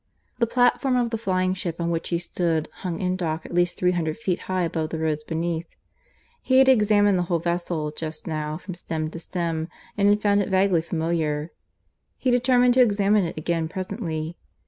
The platform of the flying ship on which he stood hung in dock at least three hundred feet high above the roads beneath. He had examined the whole vessel just now from stem to stern, and had found it vaguely familiar; he determined to examine it again presently.